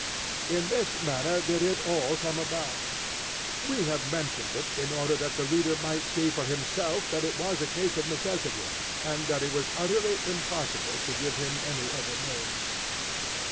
In this manner did it all come about. We have mentioned it in order that the reader might see for himself that it was a case of necessity, and that it was utterly impossible to give him any other name.